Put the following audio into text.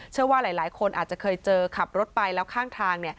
เชื่อว่าหลายคนอาจจะเคยเจอขับรถไปแล้วข้างทาง